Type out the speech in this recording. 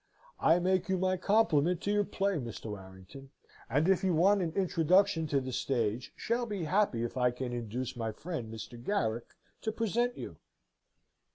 I make you my compliment to your play, Mr. Warrington, and if you want an introduction to the stage, shall be very happy if I can induce my friend Mr. Garrick to present you."